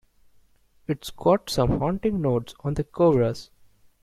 It's got some haunting notes on the chorus.